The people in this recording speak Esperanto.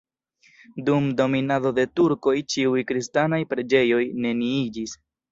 Dum dominado de turkoj ĉiuj kristanaj preĝejoj neniiĝis.